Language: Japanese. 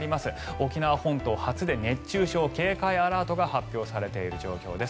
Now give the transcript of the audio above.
沖縄本島初で熱中症警戒アラートが発表されている状況です。